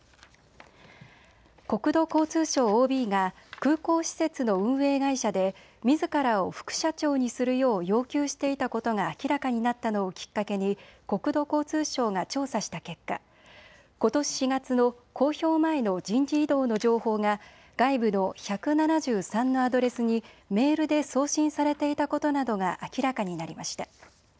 国土交通省ＯＢが空港施設の運営会社でみずからを副社長にするよう要求していたことが明らかになったのをきっかけに国土交通省が調査した結果、ことし４月の公表前の人事異動の情報が外部の１７３のアドレスにメールで送信されていたことなどが明らかになりました。